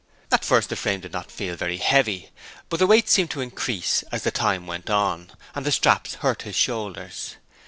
At first the frame did not feel very heavy, but the weight seemed to increase as the time went on, and the straps hurt his shoulders.